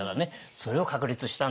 それを確立したんですよ。